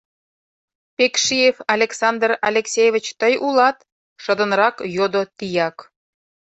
— Пекшиев Александр Алексеевич тый улат? — шыдынрак йодо тияк.